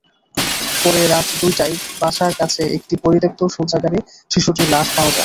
পরে রাত দুইটায় বাসার কাছে একটি পরিত্যক্ত শৌচাগারে শিশুটির লাশ পাওয়া যায়।